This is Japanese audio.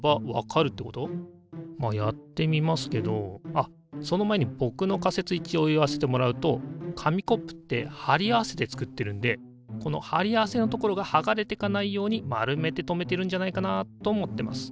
まあやってみますけどあっその前に僕の仮説一応言わせてもらうと紙コップって貼り合わせて作ってるんでこの貼り合わせのところが剥がれてかないように丸めて留めてるんじゃないかなと思ってます。